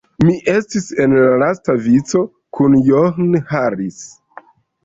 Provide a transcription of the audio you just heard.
Mi estis en la lasta vico, kun John Harris.